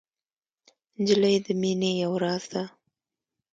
نجلۍ د مینې یو راز ده.